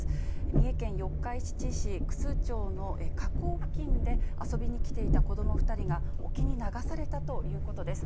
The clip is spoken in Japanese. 三重県四日市市楠町の河口付近で、遊びに来ていた子ども２人が沖に流されたということです。